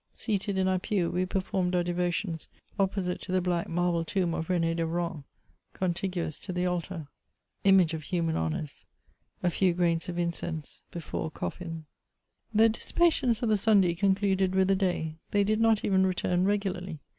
Seated in our pew, we performed our devotions opposite to the black marble tomb of Ren^ de Rohan, contiguous to the altar; image of human honours ! a few grains of incense before a coffin! CHATEAUBRIAND. 121 The dissipations pf the Sunday concluded with the day ; they did not even return r^ularly.